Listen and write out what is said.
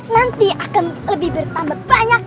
nanti akan lebih bertambah banyak